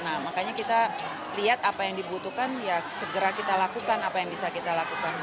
nah makanya kita lihat apa yang dibutuhkan ya segera kita lakukan apa yang bisa kita lakukan